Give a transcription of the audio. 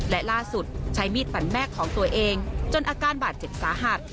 และล่าสุดใช้มีดฟันแม่ของตัวเองจนอาการบาดเจ็บสาหัส